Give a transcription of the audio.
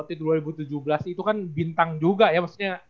dua ribu tujuh belas itu kan bintang juga